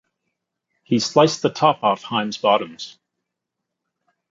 He sliced the top off Heim's bottoms.